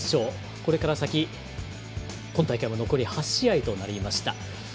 これから先今大会も残り８試合となりました。